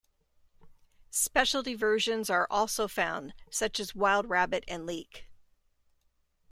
Specialty versions are also found, such as wild rabbit and leek.